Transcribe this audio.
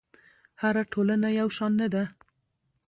هره ټولنه یو شان نه ده.